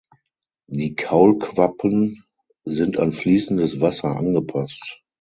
Die Kaulquappen sind an fließendes Wasser angepasst.